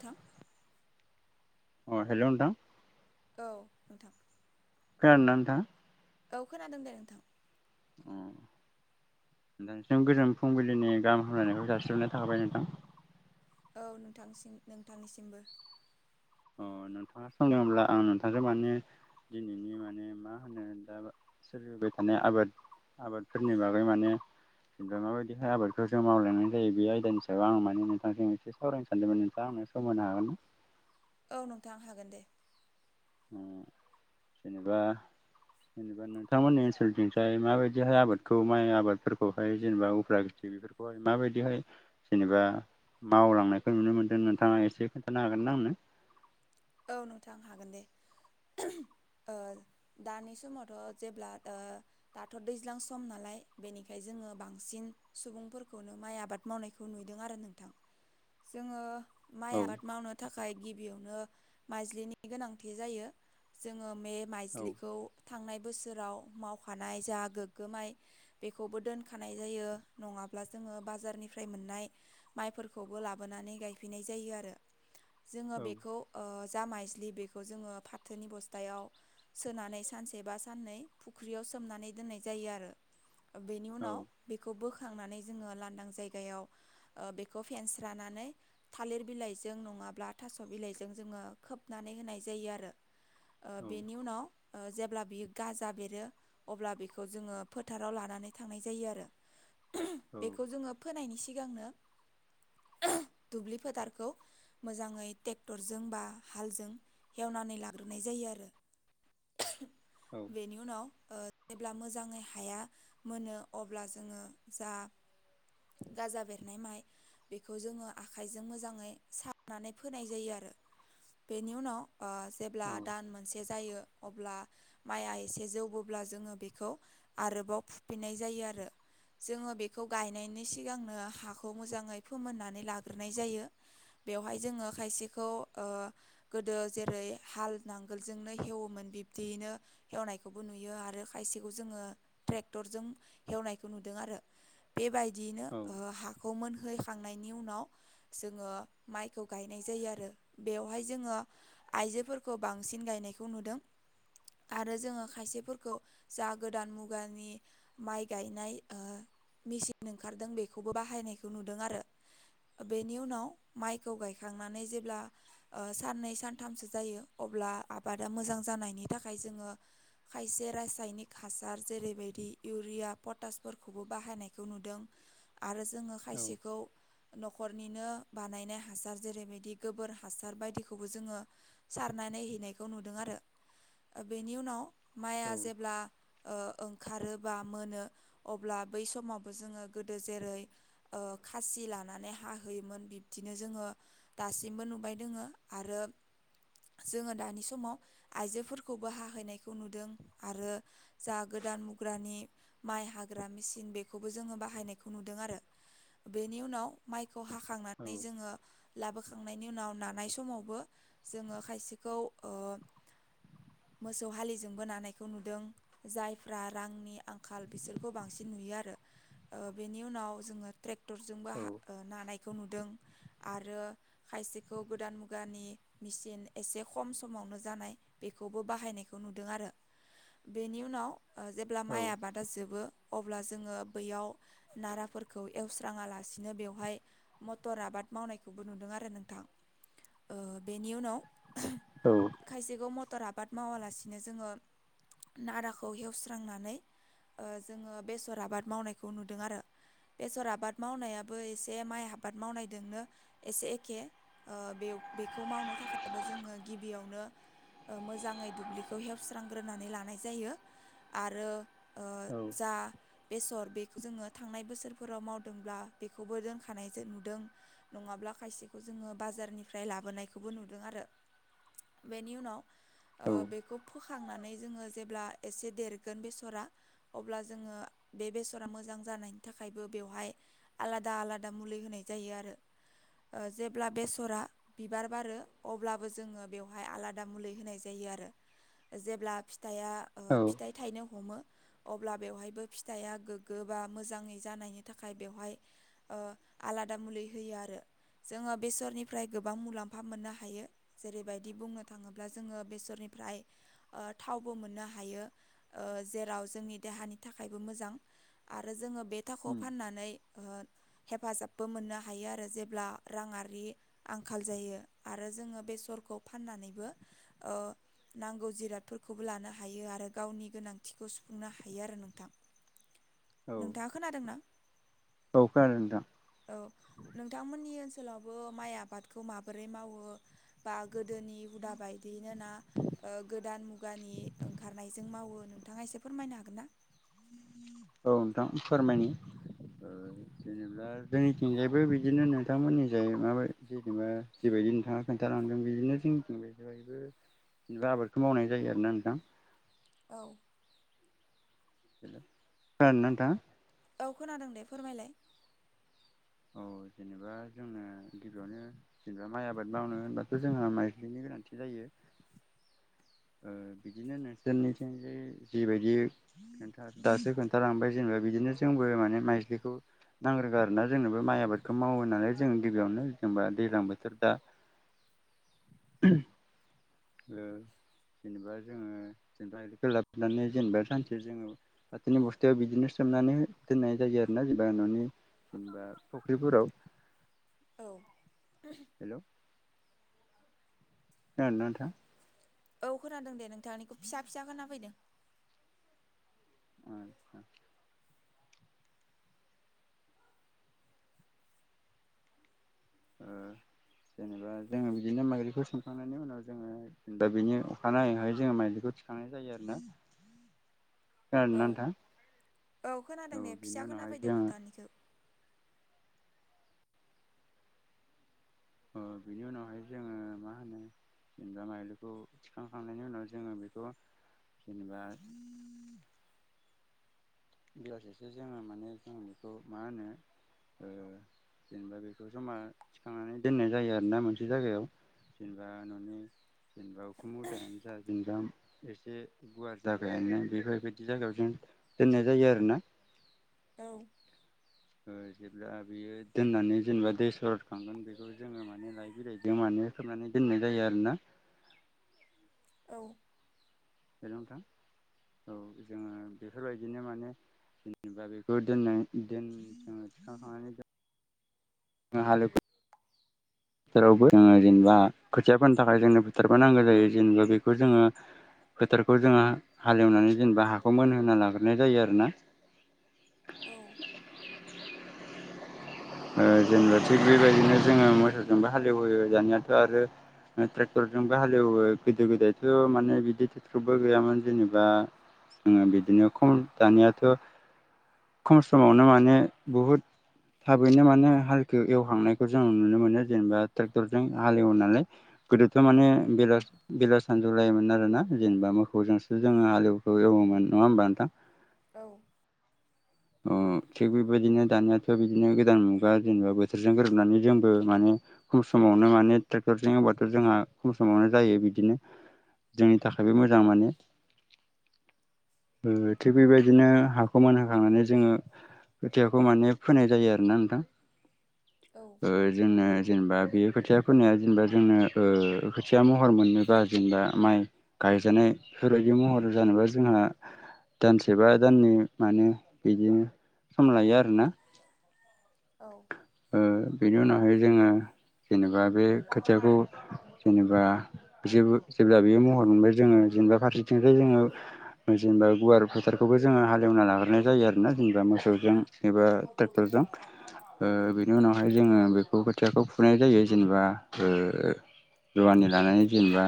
थां अ हेल' नोंथां औ नोंथां खोनादोंना नोंथांआ औ खोनादों दे नोंथां अ नोंथांसिम गोजोन फुंबिलिनि गाहाम हामलायनायखौ जासिबनाय थाखाबाय नोंथां। औ नोंथांसिम नोंथांनिसिमबो अ नोंथाङा सदोंब्ला आं नोंथांजों माने दिनैनि माने मा होनो दा सोलिबाय थानाय आबाद आबादफोरनि बागै माने जेनबा माबायदि आबादखौ जों मावलांनाय जायो बे आयदानि सायाव आं माने नोंथांजों एसे सावरायनो सानदोंमोन नोंथां। सम होनो हागोना। औ नोंथां हागोन दे। उम जेनेबा जेनेबा नोंथांमोननि ओनसोलनिफ्राय माबायदिहाय आबादखौ माइ आबादफोरखौहाय जेनेबा उफ्रा बेफोरखौहाय माबायदिहाय जेनेबा मावलांनायखौ नुनो मोनदों नोंथाङा एसे खोन्थानो हागोन ना आंनो औ नोंथां हागोन दे [unintelligible] ओ दानि समावथ' जेब्ला दाथ' दैज्लां सम नालाय बेनिखायनो जों आङो बांसिन सुबुंफोरखौनो माइ आबाद मावनायखौ नुदों आरो नोंथां जोङो माइ औ आबाद मावनो थाखाय गिबियावनो माइजलिनि गोनांथि जायो जोङो मे औ माइजलिखौ थांनाय बोसोराव मावखानाय जा गोग्गोमाय बेखौबो दोनखानाय जायो नङाब्ला जोङो बाजारनिफ्राय मोननाय माइफोरखौबो लाबोनानै गायफैनाय जायो आरो जोङो औ बेखौ ओ जा मायज्लि बेखौ जोङो फाथोनि बस्थायाव सोनानै सानसे बा साननै फुख्रियाव स सोमनानै दोननाय जायो आरो। बेनि औ उनाव बेखौ बोखांनानै जोङो लांदां जायगायाव बेखौ फेन्स रानानै थालिर बिलाइजों नङाब्ला थास' बिलाइजों जोङो खोबनानै होनाय जायो आरो ओ औ बेनि उनाव जेब्ला बियो गाजा बेरो अब्ला बेखौ जोङो फोथाराव लानानै नाननै थांनाय जायो आरो बेखौ जोङो फोनायनि सिगांनो दुब्लि फोथारखौ मोजाङै ट्रेक्टरजों बा हालजों हेवनानै लाग्रोनाय जायो आरो बेनि उनाव ओ जेब्ला मोजाङै हाया मोनो अब्ला जोङो जा गाजा बेरनाय माइ बेखौ जोङो आखाइजों मोजाङै सारनानै फोनाय जायो आरो [inaudible] बेनि उनाव जेब्ला दान मोनसे जायो अब्ला माइआ एसे जौबोब्ला जोङो बेखौ आरोबाव फुफिननाय जायो आरो जोङो बेखौ गायनायनि सिगांनो हाखौ मोजाङै फोमोननानै लाग्रोनाय जायो बेवहाय जोङो खायसेखौ ओ गोदो जेरै हाल नांगोलजोंनो हेवोमोन बिब्दियैनो हेवनायखौबो नुयो आरो आरो खायसेखौ जोङो ट्रेक्टरजों एवनायखौ नुदों आरो बेबायदियैनो हाखौ मोनहो खांनायनि उनाव जोङो माइखौ गायनाय जायो आरो बेयाव बेवहाय जोङो आइजोफोरखौ बांसिन गायनायखौ नुदों आरो जोङो खायसेफोरखौ जा गोदान मुगानि माइ गायनाय मेसिन ओंखारदों बेखौबो बाहायनायखौ नुदों आरो बेनि उनाव माइखौ गायखांनानै जेब्ला ओ साननै सानथामसो जायो अब्ला आबादा मोजां जानायनि थाखाय जोङो खायसे रासायनिक हासार जेरैबायदि इउरिया पटासफोरखौबो बाहायनायखौ नुदों आरो जोङो खायसेखौ न'खरनिनो बानायनाय हासार जेरैबायदि गोबोर हा सार बायदिखौबो जोङो सारनाय नायहैनायखौ नुदों आरो बेनि उनाव माइआ जेब्ला ओ ओंखारो बा मोनो अब्ला बै समावबो जोङो गोदो जेरै ओ खा सि लानानै हाहोयोमोन बिब्दिनो जोङो दासिमबो नुबाय दोङो आरो जोङो दानि समाव आइजोफोरखौबो हाहैनायखौ नुदों आरो जा गोदा न मुग्रानि माइ हाग्रा मेचिन बेखौबो जोङो बाहायनायखौ नुदों आरो बेनि उनाव माइखौ हाखांनानै जोङो लाबोखांनायनि उनाव ना नाय समावबो जोङो खायसेखौ ओ [inaudible] मोसौ हालिजोंबो नानायखौ नुदों जायफ्रा रांनि आंखाल बिसोरखौ बांसिन नुयो आरो ओ बेनि उनाव जोङो ट्रेक्टरजोंबो नानायखौ नुदों आरो खायसे खौ गोदान मुगानि मिचिन एसे खम समावनो जानाय बेखौबो बाहायनायखौ नुदों आरो बेनि उनाव जेब्ला औ माइ आबादा जोबो अब्ला जोङो बैयाव नाराफोरखौ एवस्राङालासिनो बेवहाय मटर आबाद मावनायखौबो नुदों आरो नोंथां ओ बेनि उनाव खायसेखौ मथ टर आबाद मावालासिनो जोङो नाराखौ हेवस्रांनानै ओ जोङो बेसर आबाद मावनायखौ नुदों आरो बेसर आबाद मावनायाबो एसे माइ आबाद मावनायजोंनो एसे एखे ओ बे बेखौ मावनो थाखायबो जोङो गिबियावनो मोजाङै दुब्लिखौ हेवस्रांग्रोनानै लानाय जायो आरो ओ जा बेसर बेखौ जोङो थांनाय बोसोरफोराव मावदोंब्ला बेखौबो दोनखानाय नुदों नङाब्ला खायसेखौ जोङो बाजारनिफ्राइ लाबोनायखौबो नुदों आरो बेनि उनाव ओ बेखौ फोखांनानै जोङो जेब्ला एसे देरगोन बेसरा अब्ला जोङो बे बेसरा मोजां जानायनि थाखायबो बेवहाय आलादा आलादा मुलि होनाय जायो आरो ओ जेब्ला बे सरा बिबार बारो अब्लाबो जोङो बेवहाय आलादा मुलि होनाय जायो आरो जेब्ला फिथाइया ओ फिथाइ थायनो हमो अब्ला बेवहायबो फिथाइआ गोग्गो बा मोजाङै जानायनि थाखाय बेवहाय ओ आला [unintelligible] मुलि होयो आरो जोङो बिसरनि फ्राय गोबां मुलाम्फा मोननो हायो जेरैबायदि बुंनो थाङोब्ला जोङो बेसरनिफ्राय ओ थावबो मोननो हायो ओ जेराव जोंनि देहानि थाखायबो मोजां आरो जोङो बे थाखोयाव फाननानै हेफाजाबबो मोननो हायो आरो जेब्ला राङारि आंखाल जायो आरो जोङो बेसरखौ फाननानैबो ओ नांगौ जिरादफोर खौबो लानो हायो आरो गावनि गोनांथिखौ सुफुंनो हायो आरो नोंथां नोंथाङा खोनादोंना? औ खोनादों नोंथां औ नोंथांमोननि ओनसोल लावबो माइ आबादखौ माबोरै मावो बा गोदोनि हुदा बायदि मानोना ओ गोदान मु गानि ओंखारनायजों मावो नोंथाङा एसे फोरमायनो हागोन ना? औ नोंथां फोरमायनि जेनेबा जोंनिथिंजायबो बिदिनो नोंथांमोननिजाय माब जेनेबा जिबायदि नोंथाङा खोन्थाां बिदिनो जों बे जायबो जेनेबा आबादखौ मावनाय जायो आरोना नोंथां औ खोनादों ना नोंथाङा? औ खोनादों दे फोरमायलाय औ जेनेबा जोंङो गिबियावनो जेनेबा माइ आबाद मावनो होनबाथ' जोंङो माइलिनि गोनांथि जायो बिदिनो नोंसोरनिथिं जे जिबायदि खथ दासो खोन्थालांबाय जेनेबा बिदिनो जोंबो माने माइस्लिखौ नांग्रोगौ आरोना जोंनोबो माइ आबादखौ मावो होननानै जोंङो गिबियावनो जेनबा दैज्लां बोथोर दा औ जेनेबा जोङो जेनेबा लाबोनानै जेनेबा सानसे जोङो फाथोनि बस्थायाव बिदिनो स खालामनानै दोननाय जायो आरो ना जेनेबा न'नि जेनेबा फुख्रिफोराव औ हेलौ ओ नोंथां औ खोनादों दे नोंथांनिखौ फिसा फिसा खोनाफैदों आदसा ओ जेनेबा जोङो बिदिनो माइगलिखौ सोमखांनायनि उनाव जोङो दा बिनि अखानायैहाय जोङो माइदिलिखौ मिखांनाय जायो आरो ना औ गार आथां औ खोनादों औ दे फिसा बिनि उनावहाय खोनाफैदों जोङो नोंथांनिखौ अ बिनि उनावहाय जोङो मा होनो एनजााम आलुखौ थिखांखांनायनि उनाव जोङो बेखौ जेनेबा बेब्लाससो जोङो माने जों बेखौ मा होनो जेनेबा बेखौ जमा थिखांनानै दोननाय जायो आरोोना मोनसे जायगायाव जेनेबा न'नि जेनेबा अख मुदायानो जा जेनेबा एसे गुवार जाबायानो बेफोरबायदि जायगायाव जों दोननाय जायो आरोना औ जेब्ला बेयो दोननानै जेनेबा दै सररखांगोन बेखौ जोङो माने लइ बिरायदों माने नो फोरनानै दोननाय जायो आरोना औ बहेलौ नोंथां औ जोङो बेफोरबायदिनो माने जेनेबा बेखौ दोननो दोन जोङो थिखांखांनानै दोन ओं हालौ फोथोरावबो जोङो जेनेबा खोथिया फोनो थाखाय जोंनो फोथारबो नांगौ जायो जेनेबा बेखौ जोङो फोथारखौ जोङो हालेवनानै जेनेबा हाखौ मोनहोना लाग्रोनाय जायो आरोना औ ओ जेनेबा थिग बेबायदिनो जोङो मोसौजोंबो हालेवयो दानियाथ' आरो ट्रेक्टरजोंबो हालेवो गोदो गोदायथ' माने बिदि ट्रेक्टरबो गैयामोन जेनेबा जोङो बिदिनो खम दानियाथ' खम समावनो माने बुहुद थाबैनो माने हालखौ एवखांनायखौ जों नुनो मोनो जेनेबा ट्रेक्टरजों हाल एवनानै गोदो बेथ' माने बेला बेला सानजौ लायोमोन आरोना जेनेबा मोखौजोंसो जोङो हालेवखौ एवोमोन। नङा होनबा नोंथां? औ अ थिग बेबायदिनो दानियाथ' बिदिनो गोदान मुगा जेनेबा बोथोरजों गोरोबनानै जोंबो माने खम सम समावनो माने ट्रेक्टरजों एवबाथ' जोंहा खम समावनो जायो बिदिनो जोंनि थाखायबो मोजां माने। [unintelligible] बेबायदिनो हाखौ मोनहो खांनानै जोङो खोथियाखौ माने फोनाय जायो आरोना नोंथां औ ओ जोंनो जेनेबा बेयो खोथिया फोनाया जेनेबा जोंनो ओ खोथिया महर मोननोबा जेनेबा माइ गायजानाय फोरबायदि महर जानोबा जोंहा दानसे बा दाननै माने बिदिनो सम लायो आरोना औ ओ बेनि उनावहाय जोङो जेनेबा बे खोथियाखौ जेनेबा बिसोरबो जेब्ला बेयो महर मोनबाय जोङो जेनेबा फारसेथिंजाय जोङो जेनेबा गुवार फोथारखौबो जोङो हालेवना लाग्रोनाय जायो आरो ना जेनेबा मोसौजों एबा ट्रेक्टर जों ओ बेनि उनावहाय जोङो बेखौ खोथियाखौ फुनाय जायो जेनेबा ओ रुवानि लानानै जेनेबा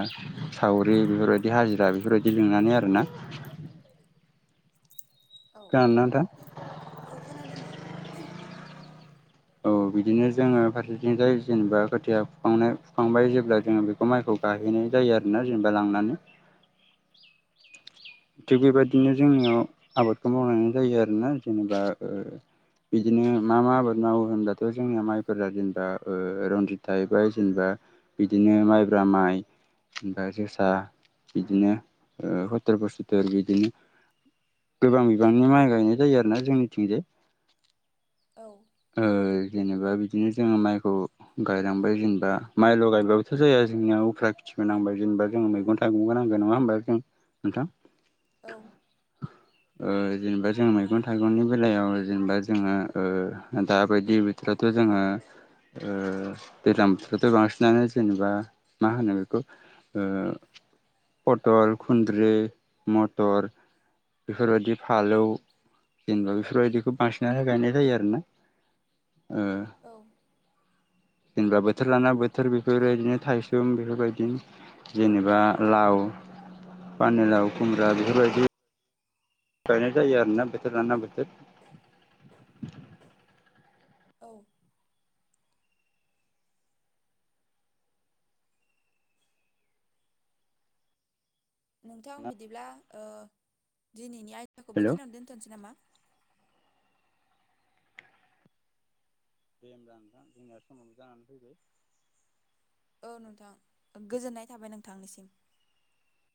सावरि बेफोरबायदि हाजिरा बेफोरबायदि लिंनानै आरोना। [inaudible] औ खोनादोंना नोंथां? औ खोनादों दे। औ बिदिनो जोङो फारसेथिंजाय जेनेबा खोथिया फुखांनाय फुखांबाय जेब्ला जोङो बेखौ माइखौ गायहैनाय जायो आरोना जेनेबा लांनानै थिग बेबायदिनो जोंनियाव आबादखौ मावलांनाय जायो आरोना जेनेबा ओ बिदिनो मा मा आबाद माव होनब्लाथ' जोंनिया माइफोरा जेनेबा ओ रनजित थाहैबाय जेनेबा बिदिनो माइब्रा ब्रा माइ ओमफाय जोसा बिदिनो ओ [unintelligible] बिदिनो गोबां बिबांनि माइ गायनाय जायो आरोना जोंनिथिंजाय औ ओ जेनेबा बिदिनो जोङो माइखौ गायलांबाय जेनेबा माइल' गायबाबोथ' जाया जोंनिया उफ्रा खिथिबो नांबाय जेनेबा जों मैगं थाइगंबो नांगौ नङा होमबा जों नोंथां। औ ओ जेनेबा जों मैगं थाइगंनि बेलायाव जेनेबा जोङो ओ दाबायदि बिथोरावथ' जोङो ओ दैज्लां बोथोरावथ' बांसिनानो जेनेबा मा होनो बेखौ ओ पटल खुन्द्रि मटर बेफोरबायदि फालौ जेनेबा बेफोरबायदिखौ बांसिननानो गायनाय जायो आरोना। ओ औ जेनेबा बोथोर लाना बोथोर बेफोरबायदिनो थायसुम बेफोरबायदि जेनेबा लाव पानिलाव, खुमब्रा बेफोरबायदि गायनाय जायो आरोना बोथोर लाना बोथोर। औ नोंथां बिदिब्ला ओ दिनैनि आयदाखौ हेलौ बेखिनियावनो दोन्थ'नोसै नामा? दे होमब्ला नोंथां जोंनिया समावबो जानानै फैबाय। औ नोंथां गोजोननाय थाबाय नोंथांनिसिम।